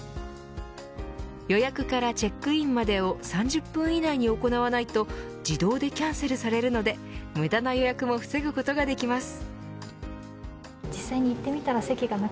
予約からチェックインまでを３０分以内に行わないと自動でキャンセルされるので無駄な予約も防ぐことができます。